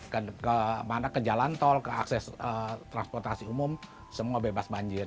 kemana ke jalan tol ke akses transportasi umum semua bebas banjir